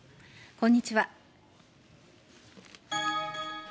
こんにちは。